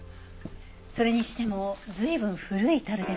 それにしても随分古い樽ですね。